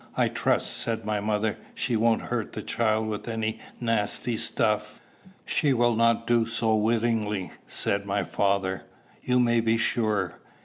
"I trust," said my mother, "she won't hurt the child with any nasty stuff." "She will not do so wittingly," said my father, "you may be sure.